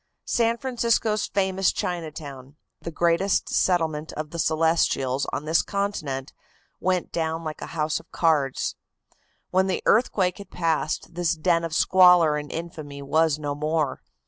San Francisco's famous Chinatown, the greatest settlement of the Celestials on this continent, went down like a house of cards. When the earthquake had passed this den of squalor and infamy was no more.